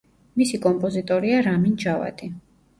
მისი კომპოზიტორია რამინ ჯავადი.